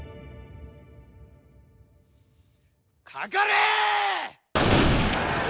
かかれ！